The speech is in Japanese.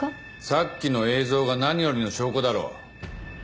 さっきの映像が何よりの証拠だろ。